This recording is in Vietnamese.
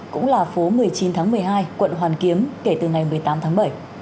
cũng là phố một mươi chín tháng một mươi hai quận hoàn kiếm kể từ ngày một mươi tám tháng bảy